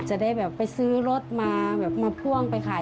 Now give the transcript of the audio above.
จะได้แบบไปซื้อรถมาแบบมาพ่วงไปขาย